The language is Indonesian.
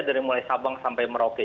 dari mulai sabang sampai merauke